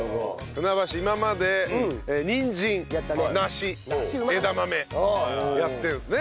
船橋今までにんじん梨枝豆やってるんですね。